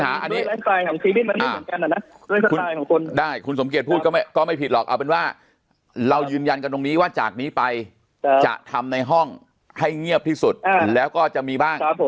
อันนี้ได้คุณสมเกียจพูดก็ไม่ผิดหรอกเอาเป็นว่าเรายืนยันกันตรงนี้ว่าจากนี้ไปจะทำในห้องให้เงียบที่สุดแล้วก็จะมีบ้าง